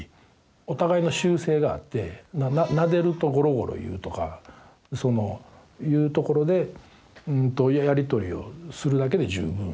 お互いの習性があってなでるとゴロゴロいうとかそのいうところでやり取りをするだけで十分。